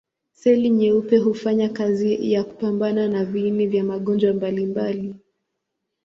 Seli nyeupe hufanya kazi ya kupambana na viini vya magonjwa mbalimbali.